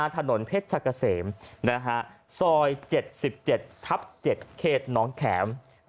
ถนนเพชรกะเสมซอย๗๗ทับ๗เขตน้องแข็ม